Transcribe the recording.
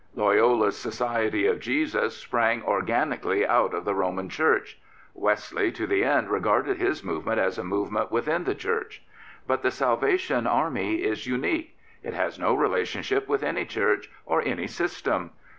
Loyola's Society of Jesus sprang organically out of the Roman Church; Wesley to the end regarded his movement as a movement within the Church. But the Salvation Army is unique. It has no relationship with any Church or any system.